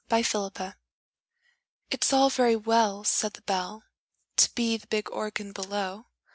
'BELL UPON ORGAN. It's all very well, Said the Bell, To be the big Organ below!